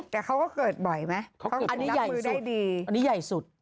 แต่เขาก็เกิดบ่อยไหมอันนี้ใหญ่อันนี้ใหญ่สุด